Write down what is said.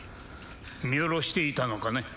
見下ろしていたのかね？